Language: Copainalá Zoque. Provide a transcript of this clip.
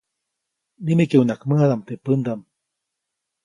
Nimekeʼuŋnaʼajk mäjadaʼm teʼ pändaʼm.